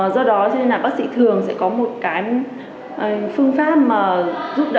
do đó cho nên là bác sĩ thường sẽ có một cái phương pháp mà giúp đỡ